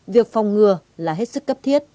việc phòng ngừa là hết sức cấp thiết